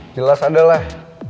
jelas ada lah